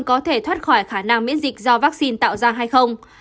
có thể thoát khỏi khả năng miễn dịch do vaccine tạo ra hay không